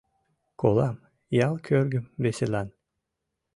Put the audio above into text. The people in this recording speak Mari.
Колам, ял кӧргым веселан